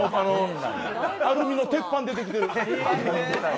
アルミの鉄板でできてる。